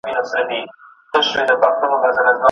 څه د بمونو څه توپونو په زور ونړیږي